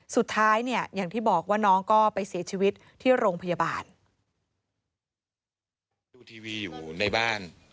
สุดท้ายเนี่ยอย่างที่บอกว่าน้องก็ไปเสียชีวิตที่โรงพยาบาล